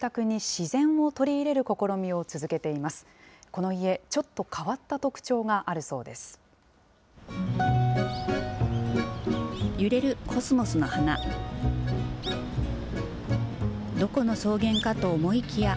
どこの草原かと思いきや。